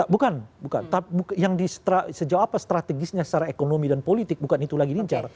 bukan bukan yang di sejauh apa strategisnya secara ekonomi dan politik bukan itu lagi lincar